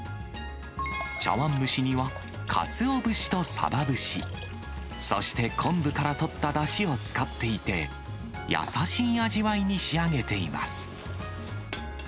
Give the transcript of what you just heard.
茶わん蒸しには、カツオ節とサバ節、そして昆布からとっただしを使っていて、優しい味わいに仕上げています。